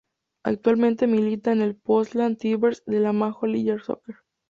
Actualmente milita en el Portland Timbers de la Major League Soccer.